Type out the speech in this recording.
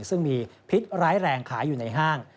ซึ่งมีพิษร้ายแรงขายอยู่ในห้าง